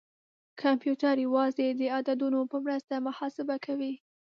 کمپیوټر یوازې د عددونو په مرسته محاسبه کوي.